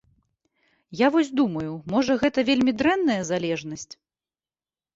Я вось думаю, можа, гэта вельмі дрэнная залежнасць?